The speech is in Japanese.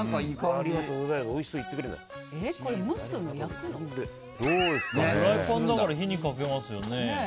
フライパンだから火にかけますよね。